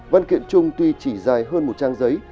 văn kiện chung tuy chỉ dài hơn một trang giấy